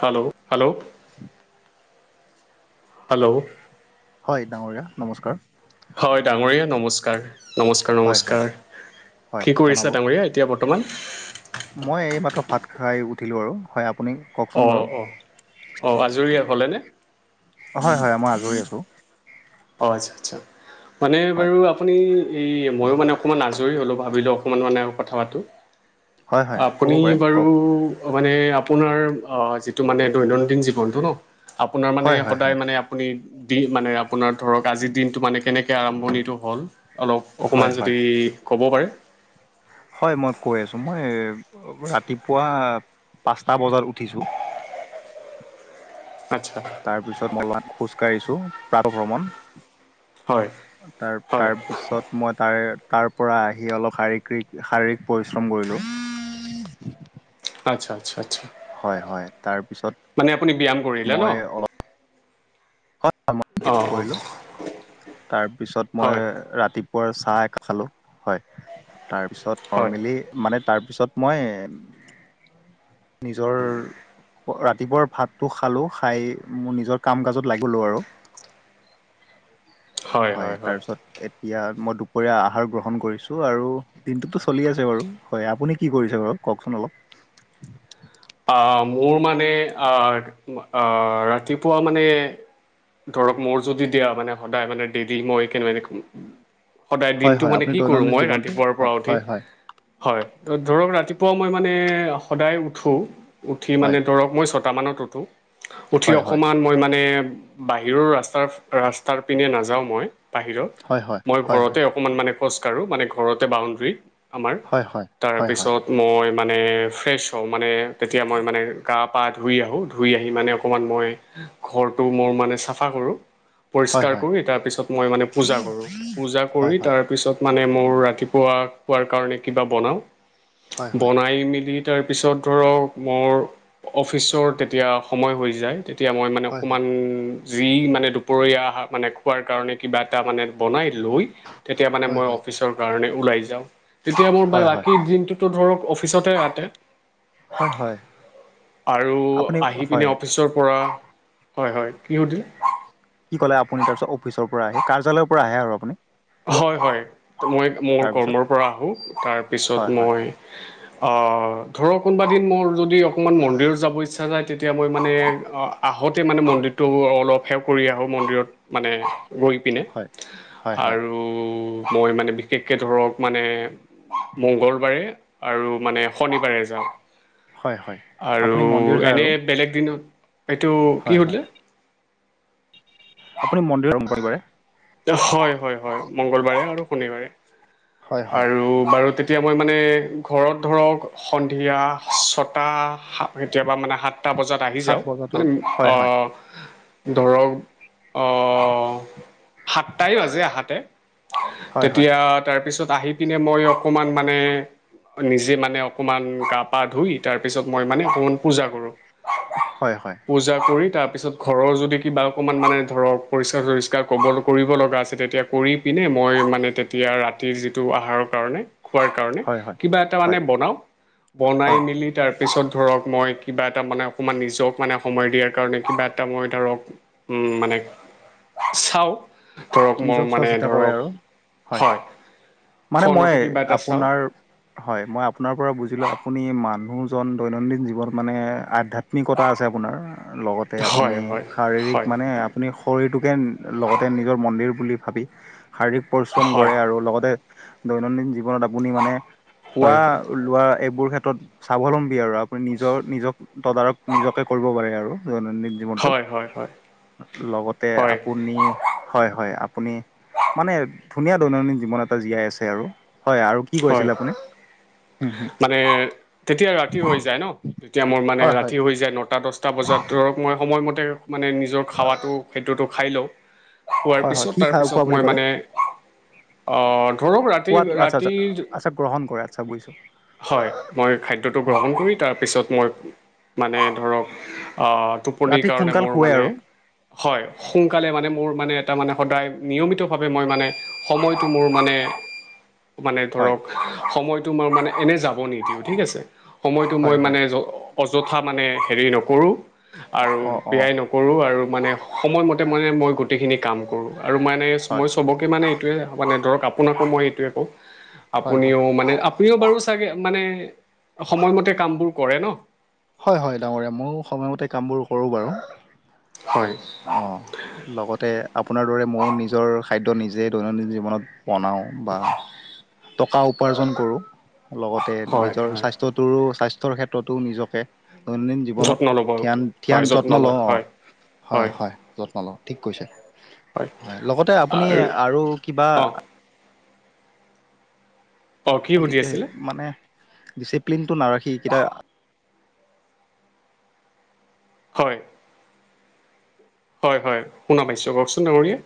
Hello hello. Hello. হয় ডাঙৰীয়া, নমস্কাৰ। হয় ডাঙৰীয়া নমস্কাৰ নমস্কাৰ হয় হয় নমস্কাৰ, হয় কি জনাব কৰিছে ডাঙৰীয়া এতিয়া ৰ্বত বৰ্তমান মই এই মাত্ৰ ভাত খাই উঠিলো আৰু, হয়। আ অ' অ' অ' আজৰি হলে নে? হয় হয় মই আজৰি আছোঁ। অ' আচ্ছা আচ্ছা, মানে হয় বাৰু আপুনি এই ময়ো মানে অকণমান আজৰি হ'লো, ভাবিলোঁ অকণমান মানে কথা পাতো। হয় হয় ক'ব আপুনি পাৰে বাৰু কওক মানে আপোনাৰ অ' যিটো মানে দৈনন্দিন জীৱনটো ন আপোনাৰ মানে হয় হয় সদায় হয় মানে আপুনি দি মানে আপোনাৰ ধৰক আজিৰ দিনটো মানে কেনেকৈ আৰম্ভণিটো হ'ল অলপ হয় অকণমান হয় যদি ক'ব পাৰে। হয় মই কৈ আছো মই ৰাতিপুৱা পাঁচটা বজাত উঠিছো। আচ্ছা তাৰ পিছত মই ল খোজকাঢ়িছো প্ৰাত ভ্ৰমণ। হয় তাৰ তাৰ হয় পিছত মই তাৰে তাৰ পৰা আহি অলপ শাৰীকক শাৰীৰিক পৰিশ্ৰম কৰিলো। আচ্ছা আচ্ছা আচ্ছা তাৰপিছত মানে আপুনি ব্যায়াম কৰিলে ন মই অলপ মই অঁ অঁ কৰিলো তাৰপিছত মই হয় ৰাতি চাহ এক খালো হয় তাৰপিছত হয় নৰ্মেলি মানে তাৰ তাৰপিছত মই নিজৰ ৰাতিপুৱাৰ ভাতটো খালো খাই মোৰ নিজৰ কাম কাজত [unintelligible] লো আৰু হয় তাৰপিছত এতিয়া। মই দুপৰীয়া আহাৰ গ্ৰহণ কৰিছো আৰু দিনটোতো চলি আছে বাৰু হয় আপুনি কি কৰিছে বাৰু কওকচোন। অলপ। [inaudible] আহ মোৰ মানে আহ আহ ৰাতিপুৱা মানে। ধৰক মোৰ যদি দিয়া মানে সদায় মানে ডৰি মই কেনে সদায় হয়, দিনটো হয়, মানে আপুনি কি কৰো দৈনন্দিন মই জীৱনটো ৰাতিপুৱাৰ পৰা হয়, উঠি হয়, হয়, হয় ধৰক ৰাতিপুৱা। পোৱা মই মানে সদায় উঠো উঠি মানে হয়, ধৰক মই ছটামানত উঠো। উঠি হয়, হয়, অকণমান মই মানে বাহিৰৰ ৰাস্তাৰ ৰাস্তাৰ পিনে নাযাওঁ মই। বাহিৰত হয়, মই হয়, ঘৰতে হয়। অকমান মানে খোজ কঢ়ো মানে ঘৰতে বাউণ্ডৰী। আমাৰ হয়, হয়, হয়, হয়, তাৰপিছত মই মানে ফ্ৰেছ হওঁ মানে। তেতিয়া মই মানে গা পা ধুই আহো ধুই আহি মানে অকণমান মই ঘৰটো মোৰ মানে চাফা কৰোঁ। হয়, পৰিষ্কাৰ হয়, কৰি তাৰ পিছত মই মানে পূজা কৰো পূজা হয়, হয়, হয়, কৰি হয়, তাৰ পিছত। মানে মোৰ ৰাতিপুৱা কোৱাৰ কাৰণে কিবা বনাওঁ হয়, বনাই মেলি। তয়াৰ পিছত ধৰক মোৰ অফিচৰ তেতিয়া সময় হৈ যায় তেতিয়া মই মানে হয়, হয়, হয়, অকণমান যি মানে দুপৰীয়াা মানে খোৱাৰ কাৰণে কিবা এটা মানে বনাই লৈ তেতিয়া মানে মই অফিচৰ কাৰণে ওলাই যাওঁ তেতিয়া মোৰ হয়, হয়, বাকী দিনটোতো ধৰক অফিচতে ৰাতে হয়, হয়, আৰু আপুনি আহি পিনে হয়। অফিচৰ পৰা হয় হয়। কি সুধিলে কি ক'লে আপুনি তাৰপিছত অফিচৰ পৰা আহি কাৰ্যালয়ৰ পৰা আহে আৰু আপুনি। হয় হয় মই মোৰ তাৰপিছত কৰ্মৰ পৰা আহোঁ তাৰপিছত হয় হয় মই। অ', ধৰক কোনবাদিন মোৰ যদি অকণমান মন্দিৰত যাব ইচ্ছা যায়, তেতিয়া মই মানে আ আহোঁতেই মানে মন্দিৰটো অলপ সেৱ কৰি আহোঁ মন্দিৰত। মানে ৰৈ পিনে হয় হয় হয় আৰু মই মানে বিশেষ কে ধৰক মানে মঙ্গলবাৰে আৰু মানে শনিবাৰে যাওঁ হয় হয় আৰু আপুনি মন্দিৰ যায় এনে আৰু বেলেগ দিনত এইটো কি হয় হয় সুধিলে? আপুনি মন্দিৰ [unintelligible] হয় হয় হয় মংগলবাৰে আৰু শনিবাৰে হয় হয় আৰু বাৰু তেতিয়া মই মানে ঘৰত ধৰক এয়া ছটা কেতিয়াবা মানে সাতটা বজাত আহি সাত যাওঁ বজাত মানে আৰু হয় হয় ধৰক সাতটাই বাজে আহাতে হয় হয় তেতিয়া তাৰপিছত আহি পিনে মই অকমান মানে নিজে মানে। অকমান গা পা ধুই তাৰপিছত মই মানে অকমান পূজা কৰোঁ। হয় হয় পূজা কৰি তাৰ পিছত ঘৰৰ যদি কিবা অকমান মানে ধৰ পৰিষ্কাৰ চৰিষ্কাৰ কব কৰিব লগা আছে তেতিয়া কৰি পিনে, মই মানে তেতিয়া ৰাতিৰ যিটো আহাৰ কাৰণে খোৱাৰ কাৰণে হয় হয় কিবা এটা হয় মানে বনাও। হয় বনাই মেলি তাৰপিছত ধৰক মই কিবা এটা মানে অকণমান নিজক মানে সময় দিয়াৰ কাৰণে, কিবা এটা মই ধৰক মানে চাওঁ ধৰক নিজক মোৰ চোৱা মানে চিতা কৰে ধৰক আৰু হয় মানে মই ফোনতে কিবা এটা চাওঁ আপোনাৰ হয়, মই আপোনাৰ পৰা বুজিলো আপুনি মান মানুহজন দৈনন্দিন জীৱনত মানে আধ্যাত্মিকতা আছে আপোনাৰ। লগতে হয় আপুনি হয় শাৰীৰিক হয় মানে আপুনি শৰীৰটোকে লগতে নিজৰ মন্দিৰ বুলি ভাবি শাৰীৰিক পৰিশ্ৰম হয় কৰে আৰু লগতে দৈনন্দিন জীৱনত আপুনি মানে হয় খোৱা হয় লোৱা এইবোৰ ক্ষেত্ৰত স্বাৱলম্বী আৰু আপুনি নিজৰ নিজক তদাৰক নিজকে কৰিব পাৰে আৰু। দৈনন্দিন জীৱনটোত হয় হয় হয় লগতে হয় আপুনি হয়, হয়, আপুনি মানে ধুনীয়া দৈনন্দিন জীৱন এটা জীয়াই আছে আৰু। হয় আৰু কি হয় কৰিছিলে আপুনি? হুম হুম। মানে তেতিয়া ৰাতি হৈ যায় ন' তেতিয়া মোৰ মানে হয় হয়। ৰাতি হৈ যায় নটা দশ দশটা বজাত ধৰক মই সময়মতে মানে নিজৰ খাৱাটো খাদ্যটো খাই লওঁ। খোৱাৰ হয় হয় পিছত কি খা খোৱা তাৰপিছত বুলি মই ক'লে? মানে অ, ধৰক ৰাতি খোৱাটো ৰা আচ্ছা ৰাতি, আচ্ছা আচ্ছা গ্ৰহণ কৰে আচ্ছা বুজিছোঁ। হয়, মই খাদ্যটো গ্ৰহণ কৰি তাৰপিছত মই মানে ধৰক আ, টোপনিৰ ৰাতি কাৰণে সোনকাল মোৰ শুৱে মানে আৰু হয়, সোনকালে মানে মোৰ মানে এটা মানে সদায় নিয়মিতভাৱে মই মানে সময়টো মোৰ মানে মানে হয়। ধৰক সময়টো মোৰ মানে এনে যাব যাব নিদিওঁ, ঠিক আছে। সময়টো মোৰ হয় হয়। মানে অযথা মানে হেৰি নকৰোঁ আৰু আৰু অ', অ', বিয়াই নকৰোঁ আৰু মানে সময়মতে মানে মই গোটেইখিনি কাম কৰোঁ আৰু মানে হয়। মই চবকে মানে মানে ধৰক আপোনাকো মই এইটোয়ে কওঁ হয় হয়, আপুনিও মানে আপুনিও বাৰু চাগে মানে সময়মতে কাম বোৰ কৰে ন? হয, হয়, ডাঙৰীয়া ময়ো সময়মতে কামবোৰ কৰোঁ বাৰু। হয় অ', লগতে আপোনাৰ দৰে ময়ো নিজৰ খাদ্য নিজে দৈনন্দিন জীৱনত বনাওঁ বা টকা উপাৰ্জন কৰোঁ। লগতে হয় নিজৰ হয় স্বাস্থ্যটোৰো স্বাস্থ্যৰ ক্ষেত্ৰতো নিজকে দৈনন্দিন জীৱনত যত্ন ল'ব ধ্যান হয় ধ্যান যত্ন লওঁ লয় অ', হয় হয়, হয়, যত্ন লওঁ ঠিক কৈছে। হয় লগতে আপুনি আৰু কিবা অঁ অঁ কি সুধি আছিলে মানে ডিচিপ্লিনটো নাৰাখি [unintelligible] হয় হয় হয় শুনাম পাইছো কওকচোন ডাঙৰীয়া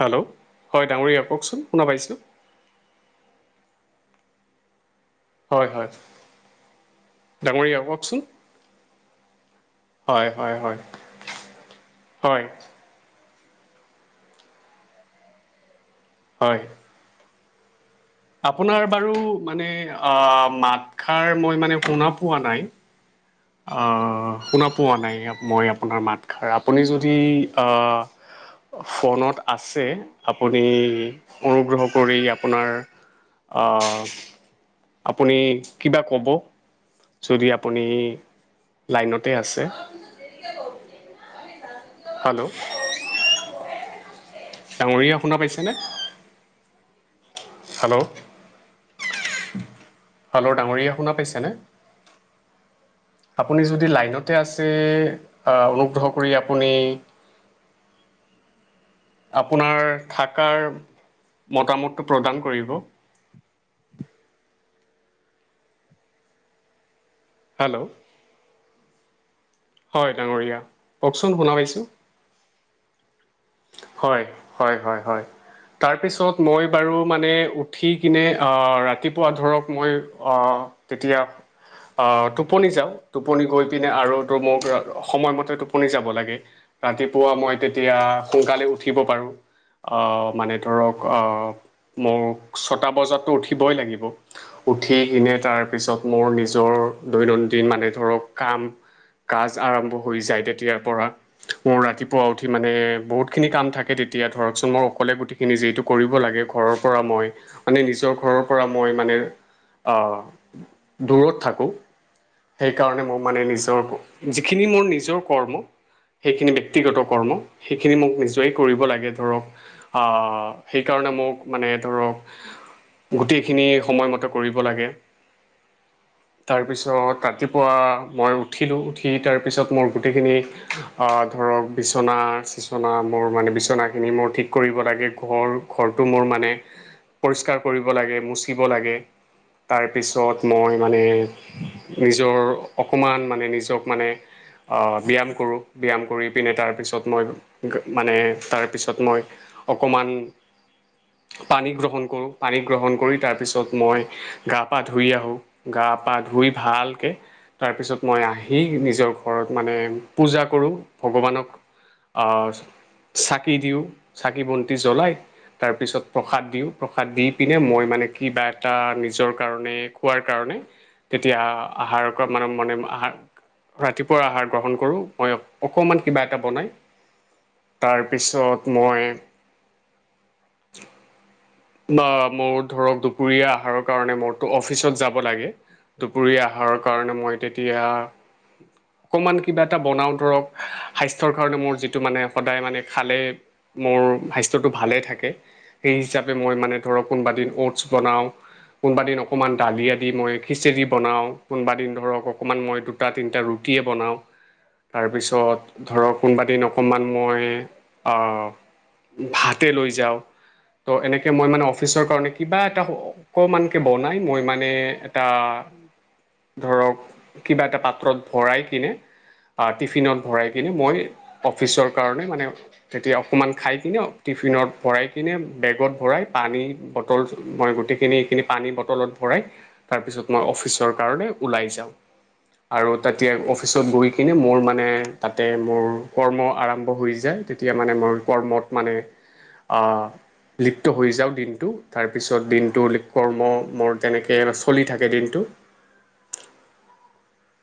হেল্ল' হয় ডাঙৰীয়া কওকচোন শুনা পাইছোঁ হয় হয় ডাঙৰীয়া কওকচোন হয় হয় হয়, আপোনাৰ বাৰু মানে আ, মাত খাৰ মই মানে শুনা পোৱা নাই। আ, শুনা পোৱা নাই, মই আপোনাৰ মাত খাৰ আপুনি যদি আ, ফোনত আছে আপুনি অনুগ্ৰহ কৰি আপোনাৰ আ, আপুনি কিবা কব যদি আপুনি লাইনতে আছে। হেল্ল' ডাঙৰীয়া শুনা পাইছেনে হেল্ল' হ্লে ডাঙৰীয়া শুনা পাইছেনে আপুনি যদি লাইনতে আছে অনুগ্ৰহ কৰি আপুনি আপোনাৰ থকাৰ মতামতটো প্ৰদান কৰিব [inaudible] হেল্ল' হয় ডাঙৰীয়া কওকচোন শুনা পাইছোঁ হয় হয় হয় হয় তাৰপিছত মই বাৰু মানে উঠি কিনে ৰাতিপুৱা ধৰক মই তেতিয়া আহ টোপনি যাওঁ টোপনি গৈ পিনে আৰুো মোক সময়মতে টোপনি যাব লাগে ৰাতিপুৱা মই তেতিয়া সোনকালে উঠিব পাৰো আহ মানে ধৰক আহ মোক ছটা বজাতো উঠিবই লাগিব উঠি কিনে তাৰপিছত মোৰ নিজৰ দৈনন্দিন মানে ধৰক কাম কাজ আৰম্ভ হৈ যায় তেতিয়াৰ পৰা মোৰ ৰাতিপুৱা উঠি মানে বহুতখিনি কাম থাকে তেতিয়া ধৰকচোন মই অকলে গোটেইখিনি যিহেতু কৰিব লাগে মই মে নি ঘৰৰ পৰা মই মানে দূৰত থাকোঁ সেইকাৰণে মোৰ মানে নিজৰ যিখিনি মোৰ নিজৰ কৰ্ম সেইখিনি ব্যক্তিগত কৰ্ম সেইখিনি মোক নিজেইে কৰিব লাগে ধৰক সেইকাৰণে মোক মানে ধৰক গোটেইখিনি সময়মতে কৰিব লাগে তাৰপিছত ৰাতিপুৱা মই উঠিলোঁ উঠি তাৰপিছত মোৰ গোটেইখিনি ধৰক বিচনাৰ বিচনা মোৰ মানে বিচনাখিনি মোৰ ঠিক কৰিব লাগে ঘৰ ঘৰটো মোৰ মানে পৰিষ্কাৰ কৰিব লাগে মুচিব লাগে তাৰপিছত মই মানে নিজৰ অকমান মানে নিজক মানে ব্যায়াম কৰোঁ ব্যায়াম কৰি পিনে তাৰপিছত মই মানে তাৰপিছত মই অকণমান পানী গ্ৰহণ কৰো পানী গ্ৰহণ কৰি তাৰ পিছত মই গা পা ধুই আহোঁ গা গা পা ধুই ভালকৈ তাৰপিছত মই আহি নিজৰ ঘৰত মানে পূজা কৰোঁ ভগৱানক আহ চাকি দিওঁ চাকি বন্তি জ্বলাই তাৰপিছত প্ৰসাদ দিওঁ প্ৰসাদ দি পিনে মই মানে কিবা এটা নিজৰ কাৰণে খোৱাৰ কাৰণে তেতিয়া আহাৰক মানে মনে আহাৰ ৰাতিপুৱা আহাৰ গ্ৰহণ কৰো মই অকমান কিবা এটা বনাই তাৰপিছত মই বা মোৰ ধৰক দুপৰীয়া আহাৰৰ কাৰণে মোৰতো অফিচত যাব লাগে দুপুৰীয়া আহাৰৰ কাৰণে মই তেতিয়া অকমান কিবা এটা বনাও ধৰক স্বাস্থ্যৰ কাৰণে মোৰ যি [unintelligible] কোনোবাদিন অ'টছ বনাওঁ কোনোবাাদিন অকণমান দালি আদি মই খিচিৰি বনাওঁ কোনোবাদিন ধৰক অকণমান মই দুটা তিনিটা ৰৰুপ [unintelligible] অকণমান মই ভাতে লৈ যাওঁ ত' এনেকে মই মানে অফিচৰ কাৰণে কিবা এটা অকমানকে বনাই মই মানে এটা ধৰক কিবা এটা পাত্ৰত ভৰাই কিনে টিফিনত ভৰাই কিনে মই অফিচৰ কাৰণে মানে তেতিয়া অকণমান খাই কিনে টিফিনত ভৰাই কিনে বেগত ভৰাই পানী বটল মই গোটেইখিনি এইখিনি পানী বটলত ভৰাই তাৰপিছত মই অফিচৰ কাৰণে ওলাই যাওঁ আৰু তাতেই অফিচত গৈ কিনে মোৰ মানে তাতে মোৰ কৰ্ম আৰম্ভ হৈ যায় তেতিয়া মানে মই কৰ্মত মানে লিপ্ত হৈ যাওঁ দিনটো তাৰপিছত দিনটো কৰ্ম মোৰ তেনেকে অলপ চলি থাকে দিনটো [unintelligible]